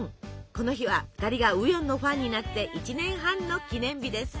この日は２人がウヨンのファンになって１年半の記念日です。